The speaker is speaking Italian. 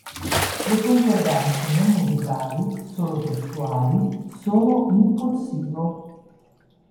Le concordanze non musicali, solo testuali, sono in corsivo.